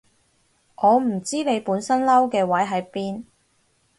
我唔知你本身嬲嘅位喺邊